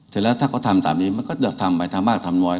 เสร็จแล้วถ้าเขาทำตามนี้มันก็จะทำไปทำมากทำน้อย